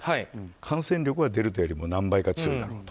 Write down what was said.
感染力はデルタよりも何倍か強いだろうと。